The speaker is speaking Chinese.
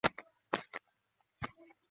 因功给予节度使世选名额。